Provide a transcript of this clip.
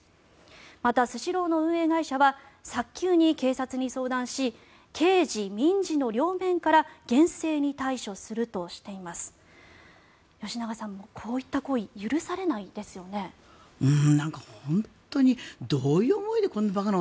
またスシローの運営会社は早急に警察に相談し刑事・民事の両面から厳正に対処するとしています。